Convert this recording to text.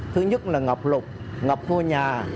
thứ nhất là ngập lục ngập vô nhà